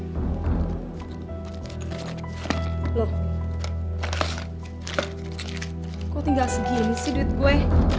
kok tinggal segini sih duit gue